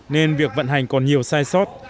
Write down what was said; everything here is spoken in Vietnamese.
nên việc vận hành còn nhiều sai sót